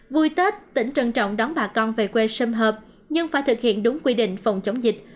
vui tết tỉnh trân trọng đón bà con về quê xâm hợp nhưng phải thực hiện đúng quy định phòng chống dịch